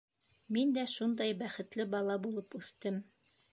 Мин дә шундай бәхетле бала булып үҫтем.